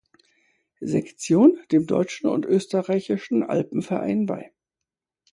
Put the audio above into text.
Sektion dem Deutschen und Österreichischen Alpenverein bei.